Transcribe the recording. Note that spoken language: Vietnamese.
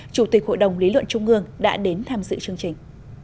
chủ tịch hội đồng lý luận trung ương đã đến tham dự chương trình